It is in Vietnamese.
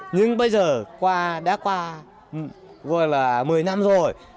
nhưng bây giờ đã qua một mươi năm rồi